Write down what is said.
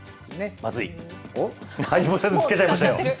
まずい、何もせずにつけちゃいましたよ。